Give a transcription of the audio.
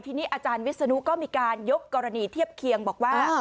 ทีนี้อาจารย์วิศนุก็มีการยกกรณีเทียบเคียงบอกว่า